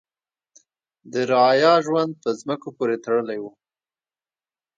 د رعایا ژوند په ځمکو پورې تړلی و.